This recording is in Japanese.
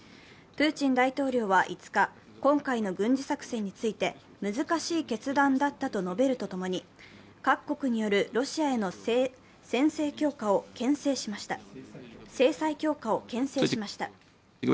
プーチン大統領は５日、今回の軍事作戦について難しい決断だったと述べるとともに、各国によるロシアへの制裁強化をけん制しました。